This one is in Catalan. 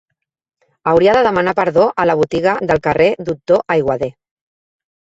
Hauria de demanar perdó a la botiga del carrer Doctor Aiguader.